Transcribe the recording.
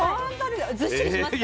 ずっしりしますか？